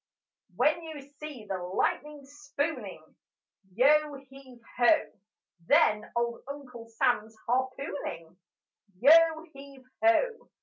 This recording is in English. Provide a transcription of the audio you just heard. When you see the lightning spooning, Yo heave ho! Then old Uncle Sam's harpooning: Yo heave ho!